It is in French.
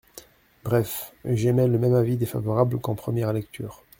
Bref, j’émets le même avis défavorable qu’en première lecture.